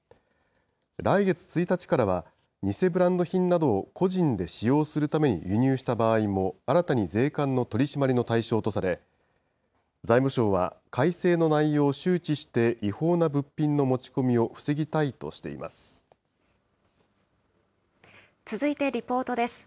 来月１日からは、偽ブランド品などを個人で使用するために輸入した場合も、新たに税関の取締りの対象とされ、財務省は、改正の内容を周知して、違法な物品の持ち込みを防ぎたいとしてい続いてリポートです。